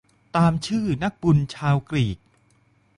ตามชื่อนักบุญชาวกรีก